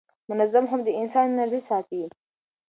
منظم خوب د انسان انرژي ساتي.